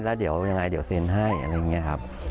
แล้วเดี๋ยวยังไงเดี๋ยวเซ็นให้อะไรอย่างนี้ครับ